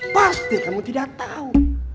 pasti kamu tidak tau